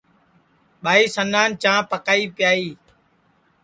ٻائی سنان چاں پکائی پیائی